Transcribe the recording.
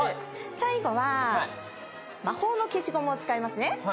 最後は、魔法の消しゴムを使いますね。